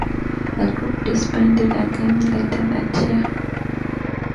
The group disbanded again later that year.